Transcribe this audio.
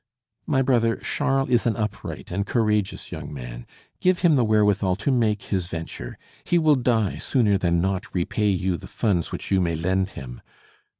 My brother, Charles is an upright and courageous young man; give him the wherewithal to make his venture; he will die sooner than not repay you the funds which you may lend him.